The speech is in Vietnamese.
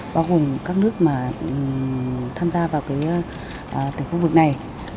bao gồm các nước mà tham gia vào khu vực này